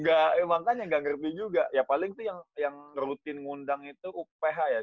nggak makanya nggak ngerti juga ya paling tuh yang rutin ngundang itu uph ya